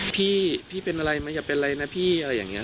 พี่พี่เป็นอะไรไหมอย่าเป็นอะไรนะพี่อะไรอย่างนี้